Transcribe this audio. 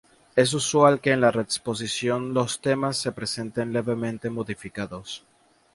Es usual que en la reexposición los temas se presenten levemente modificados.